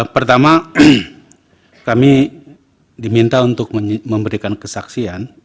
pertama kami diminta untuk memberikan kesaksian